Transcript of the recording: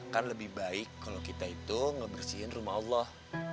kan lebih baik kalau kita itu ngebersihin rumah allah